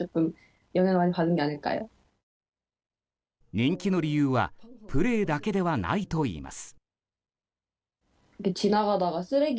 人気の理由はプレーだけではないといいます。